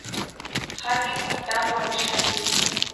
Janikwa tankwarhixati.